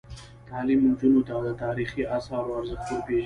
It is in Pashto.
تعلیم نجونو ته د تاریخي اثارو ارزښت ور پېژني.